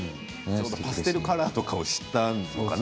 パステルカラーとか知ったのかな？